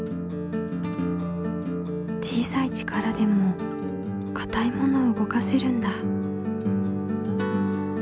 小さい力でもかたいものをうごかせるんだ。